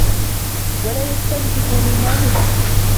وَلَا يَسْتَنْكِفُ مِمَّا مُنِعَ